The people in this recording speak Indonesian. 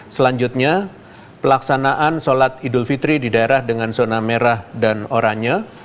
selanjutnya pelaksanaan sholat idul fitri di daerah dengan zona merah dan oranye